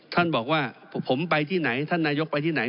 ท่านบอกว่าผมไปที่ไหนท่านนายกไปที่ไหน